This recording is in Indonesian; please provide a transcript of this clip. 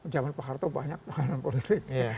zaman pak soeharto banyak tahanan politik